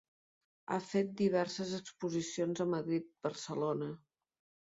Ha fet diverses exposicions a Madrid, Barcelona.